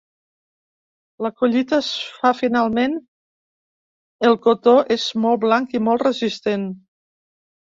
La collita es fa finalment, el cotó és molt blanc i molt resistent.